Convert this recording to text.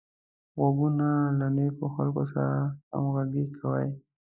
غوږونه له نېکو خلکو سره همغږي کوي